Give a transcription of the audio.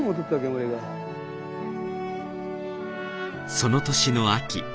その年の秋。